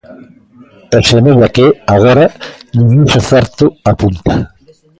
E semella que, agora, nin iso é certo, apunta.